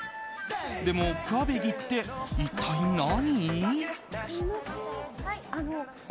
でもクァベギって一体何？